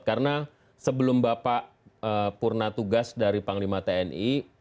karena sebelum bapak purna tugas dari panglima tni